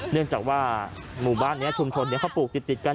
เนื่องจากว่าหมู่บ้านนี้ชุมชนเขาปลูกติดกัน